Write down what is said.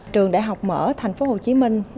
trường đại học mở thành phố hồ chí minh